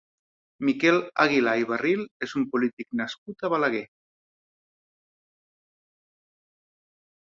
Miquel Aguilà i Barril és un polític nascut a Balaguer.